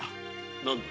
何だ？